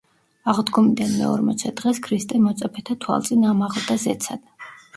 აღდგომიდან მეორმოცე დღეს ქრისტე მოწაფეთა თვალწინ ამაღლდა ზეცად.